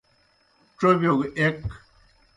ڇوبِیو گہ ایْک۔